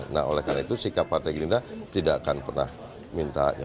nah oleh karena itu sikap partai gerindra tidak akan pernah mintanya